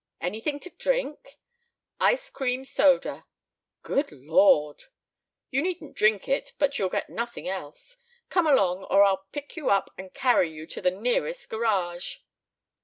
"Anything to drink?" "Ice cream soda." "Good Lord!" "You needn't drink it. But you'll get nothing else. Come along or I'll pick you up and carry you to the nearest garage."